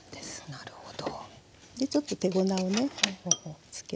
なるほど。